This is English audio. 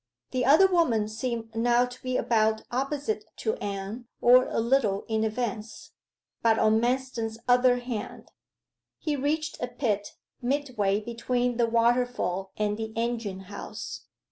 The other woman seemed now to be about opposite to Anne, or a little in advance, but on Manston's other hand. He reached a pit, midway between the waterfall and the engine house.